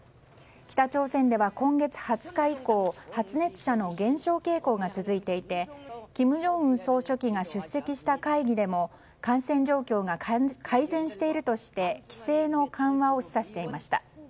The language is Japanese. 北朝鮮では今月２０日以降発熱者の減少傾向が続いていて金正恩総書記が出席した会議でも感染状況が改善しているとして規制の緩和を示唆していました。